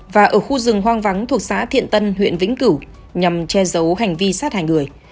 và ở khu rừng hoang vắng thuộc xã thiện tân huyện vĩnh cửu nhằm che giấu hành vi sát hại người